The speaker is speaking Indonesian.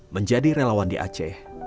menjadi kerelawan di aceh